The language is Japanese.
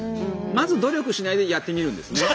まず努力しないでやってみるんですね。